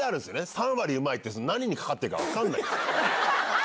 ３割うまいって、何にかかってるか分かんないんですよ。